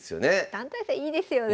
団体戦いいですよね。